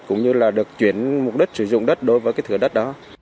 cũng như là được chuyển mục đích sử dụng đất đối với cái thửa đất đó